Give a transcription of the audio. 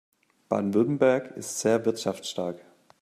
Baden-Württemberg ist sehr wirtschaftsstark.